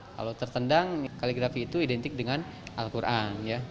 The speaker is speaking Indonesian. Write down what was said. kalau tertendang kaligrafi itu identik dengan al quran